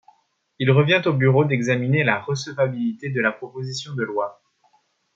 Il revient au bureau d’examiner la recevabilité de la proposition de loi.